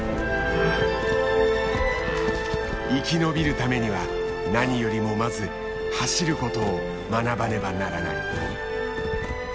生き延びるためには何よりもまず走ることを学ばねばならない。